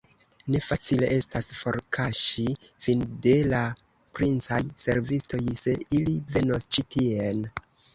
Ne facile estas forkaŝi vin de la princaj servistoj, se ili venos ĉi tien!